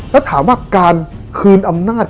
แล้วถามว่าการคืนอำนาจ